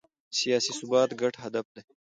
سیاسي ثبات ګډ هدف دی